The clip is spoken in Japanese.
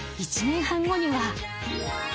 ［１年半後には］